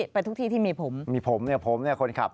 ไปทุกที่ที่มีผมมีผมเนี่ยผมเนี่ยคนขับ